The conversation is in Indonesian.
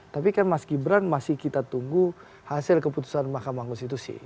tapi kan mas gibran masih kita tunggu hasil keputusan mahkamah konstitusi